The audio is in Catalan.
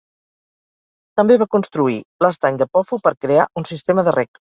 També va construir l'estany de Pofu per crear un sistema de rec.